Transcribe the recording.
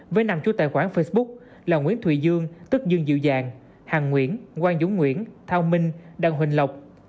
với năm chủ tài khoản facebook là nguyễn thụy dương tức dương dịu dàng hàng nguyễn quang dũng nguyễn thao minh đăng huỳnh lộc